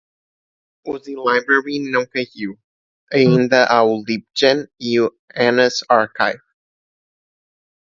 O zlibrary não caiu, ainda há o libgen e o anna's archive